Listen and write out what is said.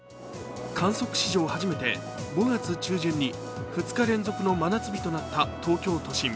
観測史上初めて５月中旬に２日連続の真夏日となった東京都心。